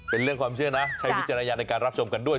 เป็นเรื่องความเชื่อนะใช้วิจารณญาณในการรับชมกันด้วย